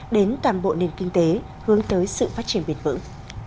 đến toàn bộ nền kinh tế hướng tới sự phát triển bền vững